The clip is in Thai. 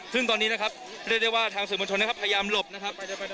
ซึ่งตอนนี้นะครับเรียกได้ว่าทางสื่อมวลชนนะครับพยายามหลบนะครับ